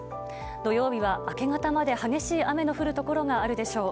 土曜日は明け方まで激しい雨の降るところがあるでしょう。